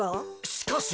しかし！